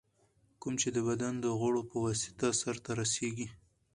کوم چي د بدن د غړو په واسطه سرته رسېږي.